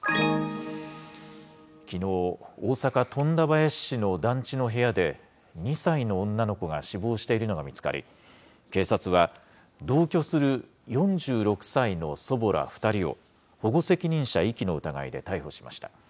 きのう、大阪・富田林市の団地の部屋で、２歳の女の子が死亡しているのが見つかり、警察は、同居する４６歳の祖母ら２人を保護責任者遺棄の疑いで逮捕しました。